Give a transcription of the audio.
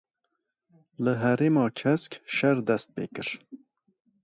Li Herêma Kesk şer dest pê kir.